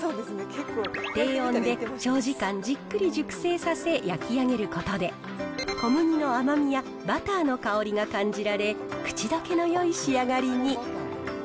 低温で長時間じっくり熟成させ焼き上げることで、小麦の甘みやバターの香りが感じられ、口溶けのよい仕上がりに。